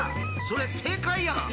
それ正解やん！